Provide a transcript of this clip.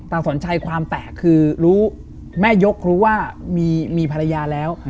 สอนชัยความแตกคือรู้แม่ยกรู้ว่ามีภรรยาแล้ว